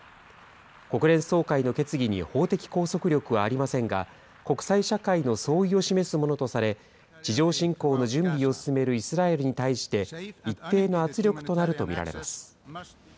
国連総会の決議に法的拘束力はありませんが、国際社会の総意を示すものとされ、地上侵攻の準備を進めるイスラエルに対して、一定の圧力となると見られます。